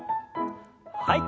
はい。